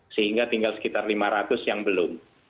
sehingga tinggal sekitar lima ratus yang belum